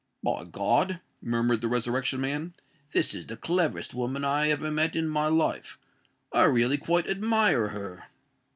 "By God!" murmured the Resurrection Man; "this is the cleverest woman I ever met in my life. I really quite admire her!"